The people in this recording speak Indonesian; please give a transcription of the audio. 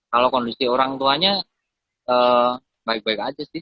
kalau kondisi orang tuanya baik baik aja sih